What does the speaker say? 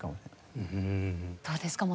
どうですか？